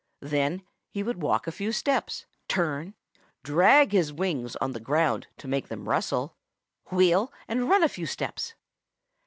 Then he would walk a few steps, turn, drag his wings on the ground to make them rustle, wheel, and run a few steps.